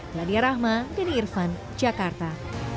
meladia rahma denny irvan jakarta